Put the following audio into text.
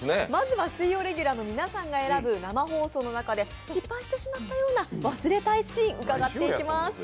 まずは水曜レギュラーの皆さんが選ぶ生放送の中で失敗してしまったような忘れたいシーン伺っていきます。